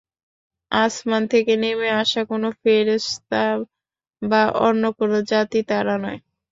আসমান থেকে নেমে আসা কোন ফেরেশতা বা অন্য কোন জাতি তারা নয়।